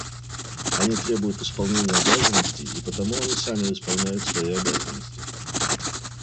Они требуют исполнения обязанностей, и потому они сами исполняют свои обязанности.